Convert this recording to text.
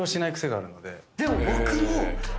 でも僕も。